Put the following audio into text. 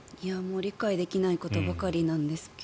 理解できないことばかりなんですが